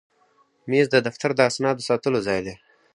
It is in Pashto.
مېز د دفتر د اسنادو ساتلو ځای دی.